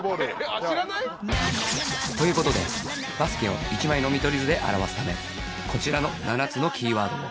という事でバスケを１枚の見取り図で表すためこちらの７つのキーワードを